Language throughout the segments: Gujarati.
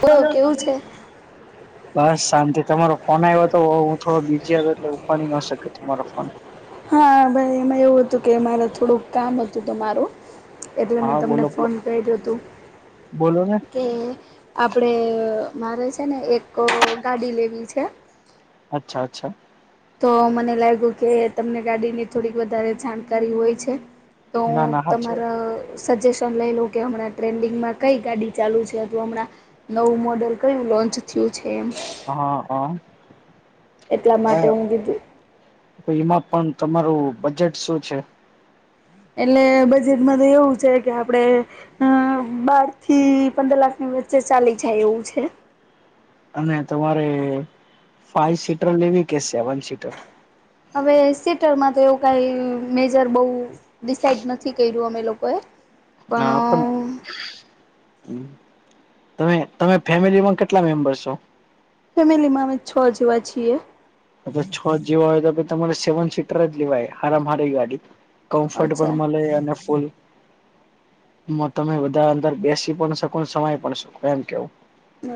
બોલો કેવું છે? [inaudible] બસ શાંતિ તમારો ફોન આવ્યો તો હું થોડો બીજી હતો એટલે ઉપાડી ન શક્યો તમારો ફોન. હા ભાઈ એમાં એવું હતું કે મારે થોડુંક કામ હતું તમારું એટલે મે હા તમને બોલો બોલો ફોન કર્યો હતું, બોલો ને કે આપડે અ મારે છે ને એક ગાડી લેવી છે. અચ્છા અચ્છા તો મને લાગ્યું કે તમને ગાડીની થોડીક વધારે જાણકારી હોય છે. તો ના હું ના હાચે તમાર સજેશન લઈલુ કે હમણાં ટ્રેન્ડિંગમાં કઈ ગાડી ચાલુ છે, હતો હમણાં નવું મોડેલ કયું લોન્ચ થયું છે એમ હા અ એટલા માટે હું કીધું એમાં પણ તમારું બજેટ શું છે? એટલે બજેટમાં તો એવું છે કે આપડે અમ બાર થી પંદર લાખ ની વચ્ચે ચાલી જાય એવું છે. અને તમારે ફાઈવ સીટર લેવી કે શેવન સીટર? હવે સીટરમાં તો એવું કાઈ મેજર બઉ. ડિસાઇડ નથી કર્યું અમે લોકોએ. હા પણ પણ. તમે તમે ફેમિલીમાં કેટલા મેમ્બરસ છો? ફેમિલી માં અમે છ જેવા છીએ. અપે છ જેવા હોય તો તમારે સેવન સીટર જ લેવાય હરામ હારી ગાડી. કમ્ફર્ટ અચ્છા પણ મળે અને ફૂલ એમાં તમે બધા અંદર બેસી પણ શકો ને સમાય પણ શકો એમ કેવું.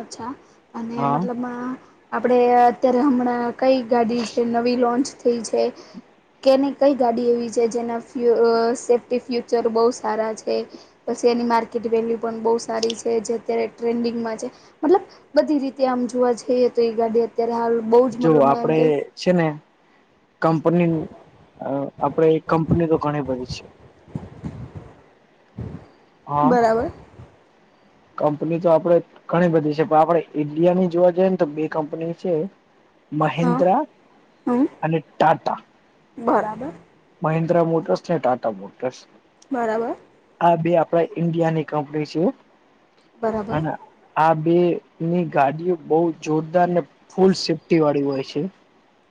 અચ્છા અને હા મતલબમા આપડે અત્યારે હમણાં. કઈ ગાડી છે? નવી લોન્ચ થઈ છે? કેની કઈ ગાડી એવી છે જેના ફ્યુઅ સેફ્ટી ફ્યુચર બહુ સારા છે? પછી એની માર્કેટ વેલ્યુ પણ બહુ સારી છે, જે અત્યારે ટ્રેન્ડિંગમાં છે. મતલબ બધી રીતે આમ જોવા જઈએ તો એ ગાડી અત્યારે હાલ બઉ જ જો મતલબમા એમકે. આપડે છે ને કંપની નુ અ આપણેે કંપની તો ઘણી બધી છે. હા બરાબર. કંપની તો આપડે ઘણી બધી છે, પણ આપડે ઈન્ડિયાની જોવા જઈએ ને તો બે કંપની છે. હા મહેન્દ્રા હમ અને ટાટા. બરાબર મહિન્દ્રા મોટર્સ ને ટાટા મોટર્સ. બરાબર. આ બે આપડા ઈન્ડિયાની કંપની છે. બરાબર અને આ બે ની ગાડીઓ બહુ જોરદાર ને ફૂલ સેફ ટી વાળી હોય છે.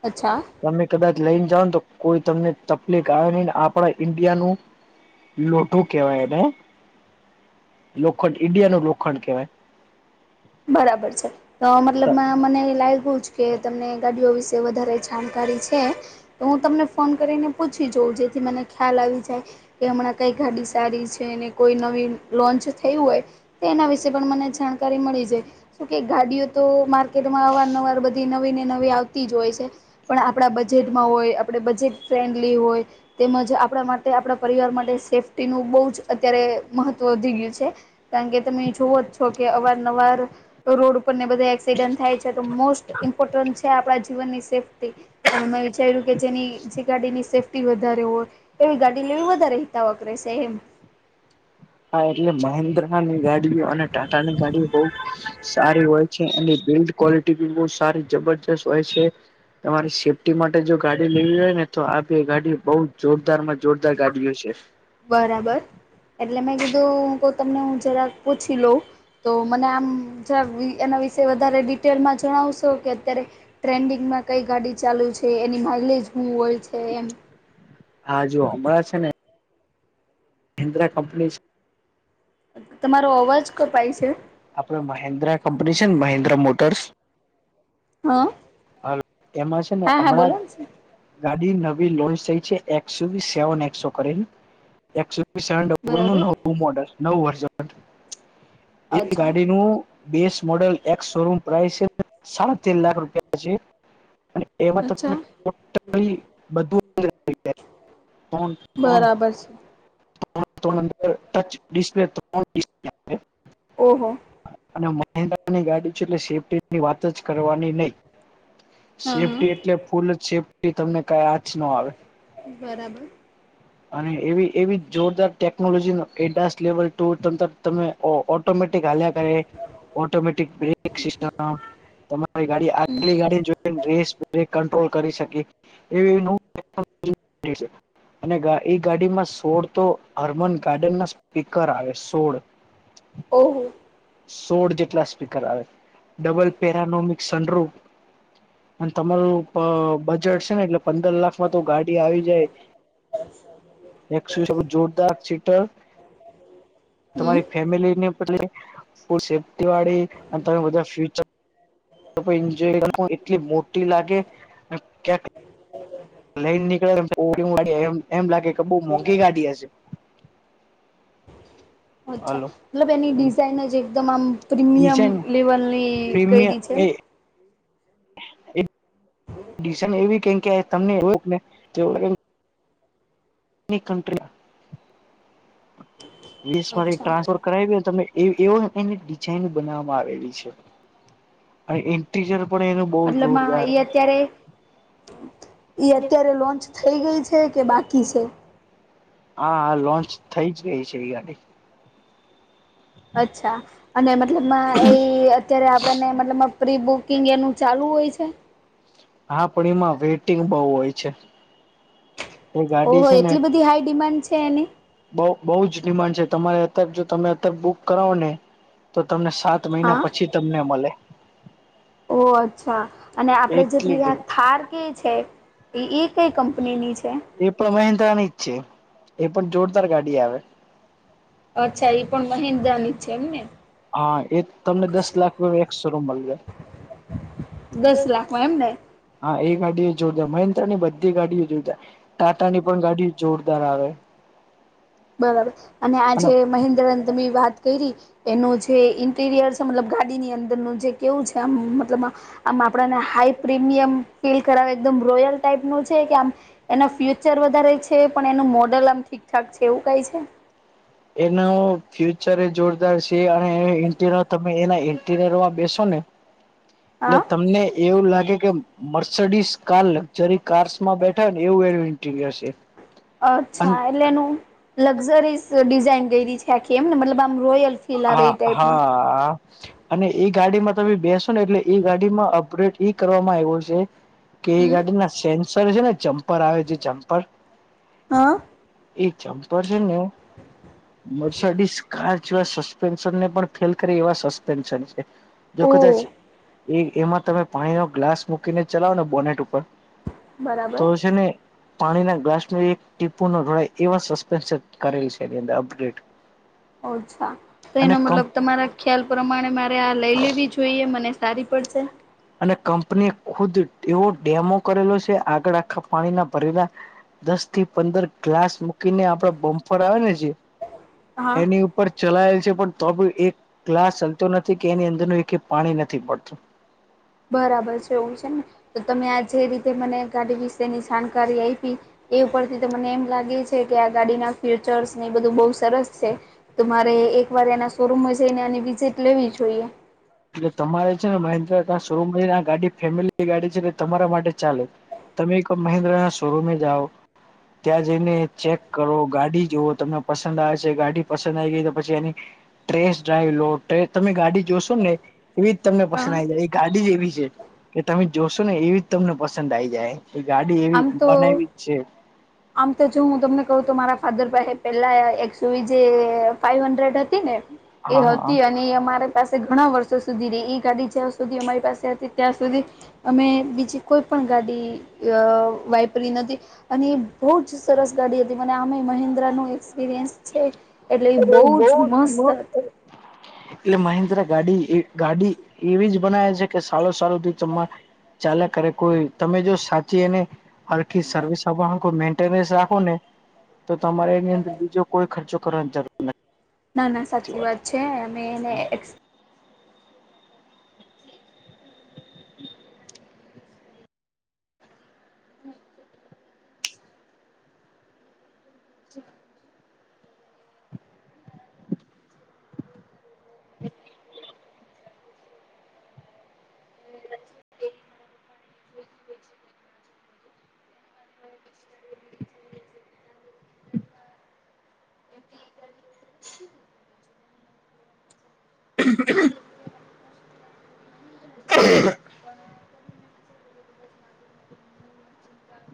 અચ્છા. તમે કદાચ લઈને જાઓ ને તો કોઈ તમને તકલીફ આવે નહી આપડા ઈન્ડિયા નું લોઠું કેવાય ને લોખંડ ઈન્ડિયા નો લોખંડ કેવાય. બરાબર છે, તો મતલબમા હા મને લાગ્યુંજ કે તમને ગાડીઓ વિશે વધારે જાણકારી છે. તો હું તમને ફોન કરીને પૂછી જોવું જેથી મને ખ્યાલ આવી જાય. કે હમણાં કઈ ગાડી સારી છે, ને કોઈ નવી લોન્ચ થયું હોય. તો એના વિશેે પણ મને જાણકારી મળી જે, શુ કે ગાડીઓ તો માર્કેટમાં અવાર નવાર બધી નવી ને નવી આવતી જ હોય છે. પણ આપણા બજેટમાં હોય આપણે બજેટ ફ્રેન્ડલી હોય તેમજ આપણા માટે આપણા પરિવાર માટે સેફ્ટીનૂ બહુ જ અત્યારે મહત્વ વધી ગયું છે. કારણ કે તમે જોવો જ છો કે અવારનવાર રોડ ઉપર ને બધા એક્સિડન્ટ થાય છે તો મોસ્ટ ઇમ્પોર્ટન્ટ છે આપણા જીવનની સેફ્ટી. અને મેં વિચાર્યું કે જેની જે ગાડીની સેફ્ટ વધારે હોય એવી ગાડીને વધારે હિતાવક રહેશે એમ. હા એટલે મહેન્દ્રા ની ગાડી અને ટાટાની ગાડીઓ બઉ સારી હોય છે એ બિલ્ડ ક્વલિટી બી બહ સારી જબરજસ્ત હોય છે. તમારી સેફ્ટી માટે જો ગાડી લેવી હોય ને તો આ બી ગાડી બઉુ જોરદાર માં જોરદાર ગાડી હશે. બરાબર એટલે મેં કીધું તમને હું જરાક પૂછી લઉં. તો મને આમ એના વિશે વધારે ડિટેલમાં જણાવશો કે અત્યારે? ટ્રેન્ડિંગમાં કઈ ગાડી ચાલુ છે એની માઇલેજ શું હોય છે એમ.? હ જો હમણાં છે ને.? [unintelligible] કંપની છે. તમારો અવાજ કપાય છે. આપડે મહેન્દ્રા કંપની છે ને મહેન્દ્રા મોટર્સ હા હાલ એમાં છે ને હા હા હમણાં બોલો જ ને ગાડી નવી લોન્ચ થઈ છે. એકસો સેવન એકસો કરેલી એકસો ડબર બરાબર નું નવું મોડલ નવું વર્ઝન હત એ અચ્છા ગાડી નું બેસ મોડેલ એક શોરૂમ પ્રાઇસ છે. સાડા તેર લાખ રૂપિયા. અને એમાં તમને અચ્છા ટોટલી-' બધું. [inaudible] બરાબર છે. અંદર ટચ ડિસ્પ્લે ઓહો. અને મહેન્દ્રાની ગાડી છે. એટલે સેફ્ટીની વાત જ કરવાની નહી. હા સેફ્ટી હા એટલે ફૂલ સેફ્ટી તમને કઈ આંચ ન આવે. બરાબર. અને એવી એવી જોરદાર ટેકનોલોજી ન એડાસ લેવલ ટુ તમ તમારે ઓટમેટિક હ્યા કર ઓટોમેટિક બ્રેક સિસ્ટમ તમારી ગાડી અગલી ગાડી જોઈ રેસ બ્રેક કંટ્રોલ કરી શકી એવી અને એ ગાડીમાં સોળ તો હર્મન ગાર્ડન ના સ્પીકર આવે સોળ. [inaudible] ઓહો. સોળ જેટલા સ્પીકર આવે ડબલ પેરાનોમિક સનરૂફ અને તમારું બજેટ છે, ને એટલે પંદર લાખમાં તો ગાડી આવી જાય. [inaudible] એક સુ સ જોરદાર સિટર હમ તમારી ફેમિલીને બદ સેફટી વાળી અને તમે બધા ફ્યુચર તો એન્જય એટલી મોટી લાગે ક્યાંક. [inaudible] લઈન નીકળે એમ ઓડી એ એમ લાગે કે બઉ મોંઘી ગાડી હશે. અચ્છા હલો મતલબ એની ડિઝાઇન જ એકદમ આમ પ્રીમિયમ ડિઝાઇન લેવલની પ્રીમિયમ કયરી છે. એ કંડિસન એવી ક કે તમને એને દ માટે અચ્છા. ટાન્સ [inaudible] કરાવ તમે એવ એની ડિઝઇન બનાવવામાં આવેલી છે. ઈન્ટીરયર પણ એનું બહ જોરદાર. ઈ અત્યારે લોન્ચ થઈ ગઈ છે કે બાકી છે.? હા હા લોન્ચ થઇ જ ગઈ છે એ ગાડી. અચ્છા અને મતલબમાં એ અત્યારે આપણને મતલબ પ્રીબુક કુકિંગ એનું ચાલું હોય છે. હા પણ એમાં વેઇટિંગ બઉુ હોય છે. એ ગાડી ઓહ એટલી બધી હાઈ ડિમાન્ડ છે એની. બ બહુ જ ડિમાન્ડ છે. તમારે અત્યારે જો તમે અત્યારે બુક કરાવો ને તો તમને સાત મહિના હા. પછી તમને મળે. ઓ અચ્છા અને આપડે એટલી જેટલી આ ડિમાન્ડ થાર. કે છે એ એ કઈ કંપનીની છે. એ પણ મહેન્દ્રાની જ છે એ પણ જોરદાર ગાડી આવે. અચ્છા એ પણ મહેન્દ્રા ની છે એમને. હા એ તમને દસ લાખ એકસો રૂમ મળી જાયે દસ લાખમાં એમને. હા એ ગાડીઓ જોરદાર મહિન્દ્રા બધી ગાડીઓ જોરદ ટાટા ની પણ ગાડી જોરદ દાર આવે. બરાબર અને આજે મહેન્દ્રને તમે વાત કરી. એનું જે ઇન્ટીરિયર મતલબ ગાડીની અંદરનું જે કેવું છે આમ મતલબ આમ આપણને હાઈ પ્રીમિયમ ફીલ કરાવે એકદમ રોયલ ટાઈપ નુ છે કે આમ એના ફ્યુચર વધારે છે પણ એનું મોડલ આમ ઠીકઠાક છે એવું કઈ છે એનો ફ્યુચર એ જોરદાર છે અને ઇન્ટર તમે એના [unintelligible] બેસો ને એટલે હા તમને એવું લાગે કે મર્સડીસ કાર લક્ઝરી કાર્સમાં બેઠા હો ને એવું એ ન્ટરયર છે અને અચ્છા એટલે એનું લક્ઝરીઝ ડિઝાઇન ગયેલી છે આખી એમ ને મતલબ આમ રોયલ ફીલ આવે એ હા ટાઈપમાં હા અને એઈ ગાડીમાં તમે બેસો ને એટલે એ ગાડીમાં અપડ્રેટ ઈ કરવામાં આવ્યો છે કે એ હમ ગાડી ના સેન્સર છે ને જમ્પર આવે છે જમ્પર હા એ ચમપર છે ને મર્સાડી કાર જેવા ફેલ કરી એવા સસ્પેન્શન છે જો ઓ કદાચ એ એમાં તમે પાણી નો ગ્લાસ મૂકીને ચલાવો ને બોનેટ ઉપર તો બરાબર છે ને પાણી ના ગ્લાસ ન એક ટીપુ નોળાય એવા સસ્પેન્ કરેલી છે એની અંદર અપગ્રેડ અચ્છા તો અને એનો મતલબ તમારા ખ્યાલ પ્રમાણે મારે આ લઈ લેવી જોઈએ મને સારી પડશે અને કંપનીએ ખુદ એવો ડેમો કરેલો છે આગળ આખા પાણીના ભરેલા દસ થી પંદર ગ્લાસ મૂકીને આપડા બમ્ફર આવે ને જે હા એની ઉપર ચલાયેલ છે પણ તો બી એક ક્લાસ ચાલતો નથી કે એની અંદર એ ક પાણી નથી પડતું બરાબર છે એવું છે ને તો તમે આ જે રીતે મને ગાડી વિશેની જાણકારી આઈપી એ ઉપરથી તો મને એમ લાગે છે કે આ ગાડીના ફ્યુચર્સ ને એ બધું બઉ સરસ છે તો મારે એક વાર એના શોરૂમમાં જઈને એની વિઝિટ લેવી જોઈએ એટલે તમારે છે ને મહેન્દ્ર ત શરૂમાંને આ ગાડી ફેમિલી ગાડી છે એટલે તમારા માટે ચાલે તમે એક મહેન્દ્ર શોરૂ જાઓ ત્યાં જઈને ચેક કરો ગાડી જુવો તમને પસંદ આવે છે ગાડી પસંદ આવી ગઈ તો પછી એની ટ્રેસ ડ્રાઈઇવ લો તમે ગાડી જોશો ને એવી જ તમને હા પસંદ આવી જાય એ ગાડી જ એવી છે કે તમે જોશો ને એવી જ તમને પસંદ આઈ જાય. એ ગાડી એવી આમ તો બનાયવી જ છે. આમ તો જો હું તમને કહ તો મારા ફાધર ભાઈ પેલા એકસ જે ફાઈવ હડ્રેડ હતી ને એ હા હા હતી અને એ અમારે પાસે ઘણા વર્ષો સુધી રહી ઈ ગાડી જ્યાં સુધી અમારી પાસે હતી ત્યાં સુધી અમે બીજી કોઈ પણ ગાડી અ વાપરી નથી અને બહુ જ સરસ ગાડી હતી મને આમ હી મહેન્દ્ર નો એક્સપિરિયન્સ છે એટલે એ બો જ મસ્ત હતું. એ મહેન્દ્ર ગાડી ગાડી એવી જ બનાવે છે. કે સાલો સાલ હુધી તમાર ચાલયા કરે કોઈ તમે જો સાચી એની હરખી સર્વિસ આપવાનું કોય મેન્ટનસ રાખો ને તો તમારે એની અંદર બીજો કોઈ ખર્ચો કરવાની જરૂર નથી. ના ના સાચી વાત છે. એમે એને હમમ. [inaudible] [inaudible] [inaudible] [inaudible] [inaudible]